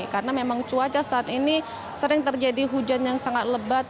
karena memang cuaca saat ini sering terjadi hujan yang sangat lebat